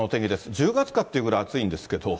１０月かってぐらい暑いんですけど。